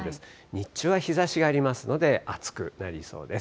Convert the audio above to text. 日中は日ざしがありますので暑くなりそうです。